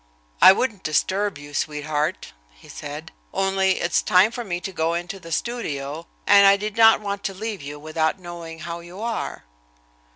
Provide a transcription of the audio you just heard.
"I wouldn't disturb you, sweetheart," he said, "only it's time for me to go in to the studio, and I did not want to leave you without knowing how you are."